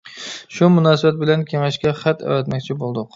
شۇ مۇناسىۋەت بىلەن كېڭەشكە خەت ئەۋەتمەكچى بولدۇق.